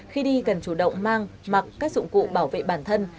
khi đi cần chủ động mang mặc các dụng cụ bảo vệ bản thân